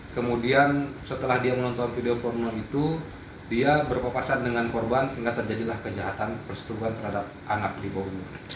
kemudian setelah dia menonton video formula itu dia berpapasan dengan korban hingga terjadilah kejahatan persetubuhan terhadap anak di bawah umur